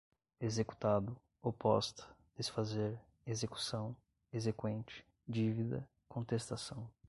executado, oposta, desfazer, execução, exequente, dívida, contestação